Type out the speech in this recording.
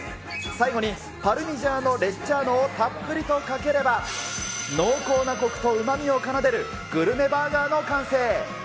最後に、パルミジャーノ・レッジャーノをたっぷりとかければ、濃厚なこくとうまみを奏でるグルメバーガーの完成。